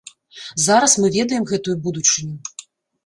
Зараз мы ведаем гэтую будучыню.